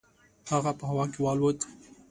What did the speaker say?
هغه په هوا کې والوت.